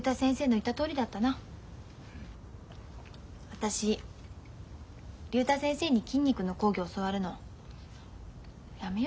私竜太先生に筋肉の講義教わるのやめようかな。